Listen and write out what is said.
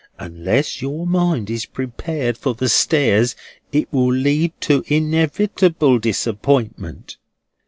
Unless your mind is prepared for the stairs, it will lead to inevitable disappointment.